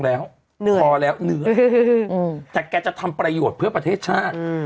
พอแล้วเหนื่อยแต่แกจะทำประโยชน์เพื่อประเทศชาติ